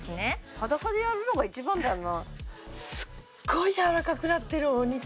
裸でやるのが一番だよな